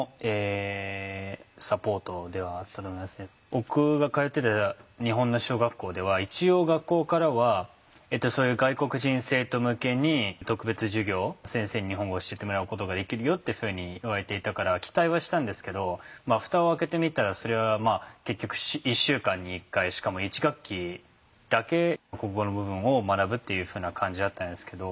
僕が通ってた日本の小学校では一応学校からはそういう外国人生徒向けに特別授業先生に日本語教えてもらうことができるよっていうふうに言われていたから期待はしたんですけど蓋を開けてみたらそれは結局１週間に１回しかも１学期だけ国語の部分を学ぶっていうふうな感じだったんですけど。